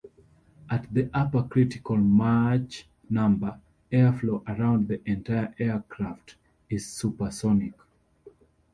At the upper critical Mach number, airflow around the entire aircraft is supersonic.